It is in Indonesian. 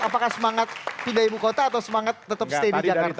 apakah semangat pindah ibu kota atau semangat tetap stay di jakarta